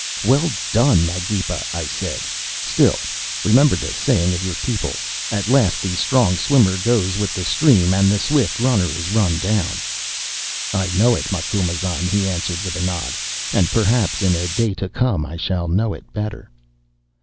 "'Well done, Magepa,' I said. 'Still, remember the saying of your people, "At last the strong swimmer goes with the stream and the swift runner is run down."' "'I know it, Macumazahn,' he answered, with a nod, 'and perhaps in a day to come I shall know it better.